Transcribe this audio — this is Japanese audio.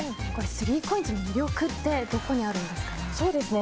３ＣＯＩＮＳの魅力ってどこにあるんですかね。